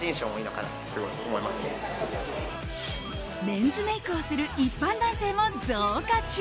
メンズメイクをする一般男性も増加中。